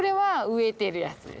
植えてるやつ。